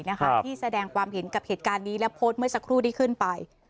ที่แสดงความเห็นกับเหตุการณ์นี้และโพสต์เมื่อสักครู่ที่ขึ้นไป